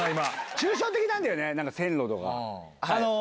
抽象的なんだよね、なんか線路とか。